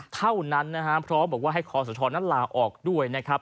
เท่านั้นนะฮะเพราะบอกว่าให้คอสชนั้นลาออกด้วยนะครับ